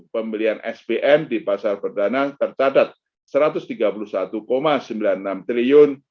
pembelian sbm di pasar perdana tercatat rp satu ratus tiga puluh satu sembilan puluh enam triliun